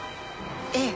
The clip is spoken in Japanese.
ええ。